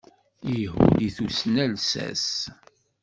Ihud i tusna lsas.